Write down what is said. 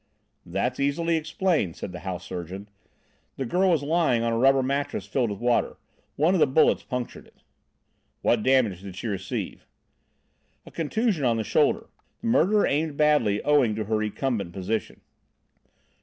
"That's easily explained," said the house surgeon. "The girl was lying on a rubber mattress filled with water. One of the bullets punctured it." "What damage did she receive?" "A contusion on the shoulder. The murderer aimed badly owing to her recumbent position."